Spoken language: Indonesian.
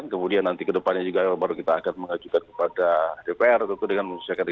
kemudian nanti ke depannya juga baru kita akan mengajukan kepada dpr dengan menyesuaikan